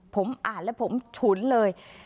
ผมอ่านแล้วผมฉุนเลย